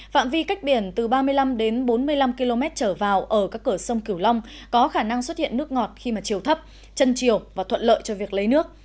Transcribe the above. phạm vi cách biển từ ba mươi năm đến bốn mươi năm km trở vào ở các cửa sông cửu long có khả năng xuất hiện nước ngọt khi mà chiều thấp chân chiều và thuận lợi cho việc lấy nước